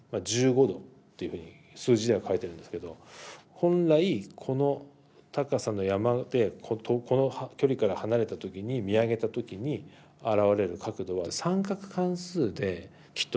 １５°っていうふうに数字では書いてるんですけど本来この高さの山でこの距離から離れた時に見上げた時にあらわれる角度は三角関数できっと分かるぞと。